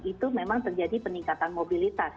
itu memang terjadi peningkatan mobilitas